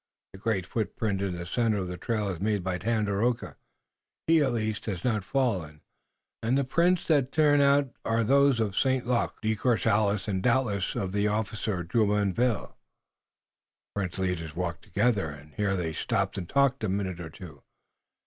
The great footprint in the center of the trail is made by Tandakora. He, at least, has not fallen, and the prints that turn out are those of St. Luc, De Courcelles and doubtless of the officer Jumonville. The French leaders walked together, and here they stopped and talked a minute or two.